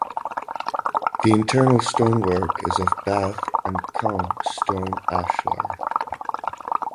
The internal stonework is of Bath and Caen stone ashlar.